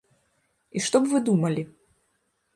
І што б вы думалі?